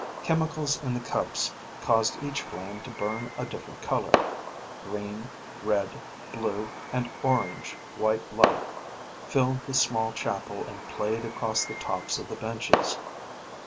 Chemicals in the cups caused each flame to burn a different color; green, red, blue, and orange white light filled the small chapel and played across the tops of the benches.